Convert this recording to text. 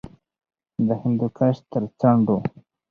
د هندوکش تر څنډو